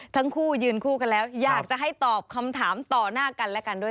ทั้งคู่ยืนคู่กันแล้วอยากจะให้ตอบคำถามต่อหน้ากันและกันด้วย